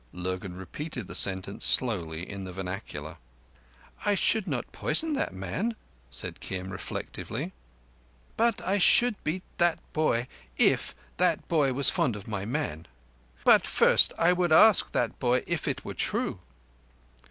Lurgan repeated the sentence slowly in the vernacular. "I should not poison that man," said Kim reflectively, "but I should beat that boy—if that boy was fond of my man. But first, I would ask that boy if it were true."